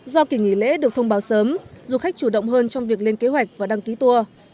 do kỷ nghỉ lễ được thông báo sớm du khách chủ động hơn trong việc lên kế hoạch và đăng ký tour